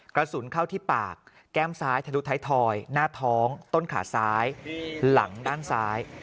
กระสุนเข้าที่ปากแก้มซ้ายทะลุท้ายทอยหน้าท้องต้นขาซ้ายหลังด้านซ้าย